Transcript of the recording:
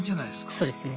そうですね。